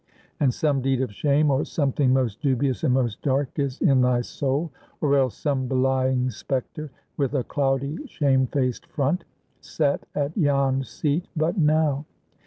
And some deed of shame, or something most dubious and most dark, is in thy soul, or else some belying specter, with a cloudy, shame faced front, sat at yon seat but now!